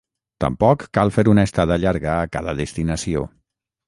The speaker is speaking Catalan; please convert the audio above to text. Tampoc cal fer una estada llarga a cada destinació.